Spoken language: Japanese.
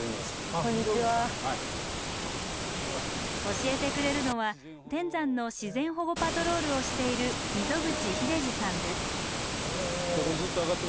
教えてくれるのは天山の自然保護パトロールをしている蛇紋岩。